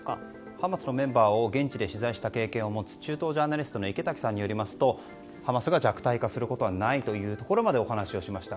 ハマスのメンバーを現地で取材した経験を持つ中東ジャーナリストの池滝さんによりますとハマスが弱体化することはないというところまでお話をしました。